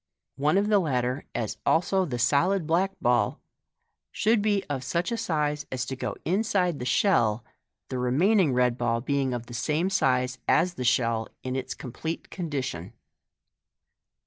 One of the latter, as also the solid black ball, should be of such a size as to go inside the shell, the remaining red ball being of the same size as the shell in its complete condition.